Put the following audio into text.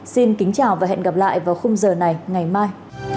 xin kính chào và hẹn gặp lại vào khung giờ này ngày mai